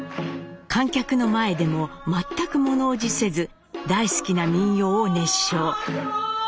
観客の前でも全く物おじせず大好きな民謡を熱唱。